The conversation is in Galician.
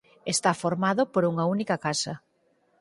Está formado por unha única casa.